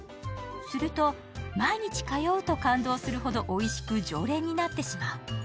すると、毎日通う！と感動するほどおいしく常連になってしまう。